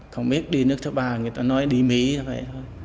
không biết đi nước thứ ba người ta nói đi mỹ hay không